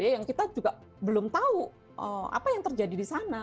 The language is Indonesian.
yang kita juga belum tahu apa yang terjadi di sana